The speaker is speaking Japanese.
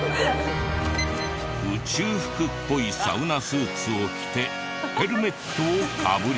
宇宙服っぽいサウナスーツを着てヘルメットをかぶり。